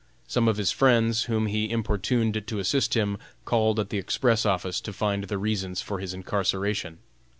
Some of his friends, whom he importuned to assist him, called at the express office to find the reasons for his incarceration.